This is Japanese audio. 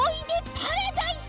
パラダイス！